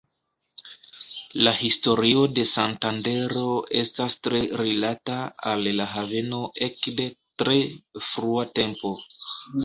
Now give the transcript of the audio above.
La historio de Santandero estas tre rilata al la haveno ekde tre frua tempo.